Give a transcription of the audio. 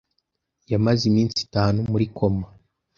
Yamaze iminsi itanu muri koma